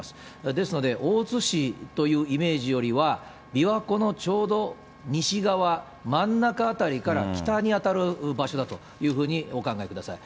ですので、大津市というイメージよりは、琵琶湖のちょうど西側、真ん中辺りから北に当たる場所だというふうにお考えください。